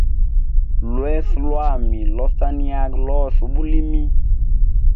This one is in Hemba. Lweso lwami losanigiaga lose ubulimi.